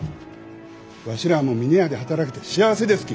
わしらあも峰屋で働けて幸せですき。